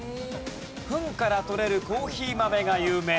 フンからとれるコーヒー豆が有名。